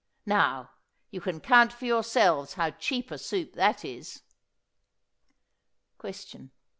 Now, you can count for yourselves how cheap a soup that is. _Question.